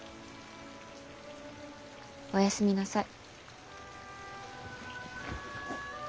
おやすみなさい。